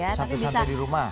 santai santai di rumah